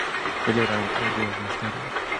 Fue liberado tres días más tarde.